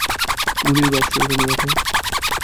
গুলির বাক্স এখানে রাখ।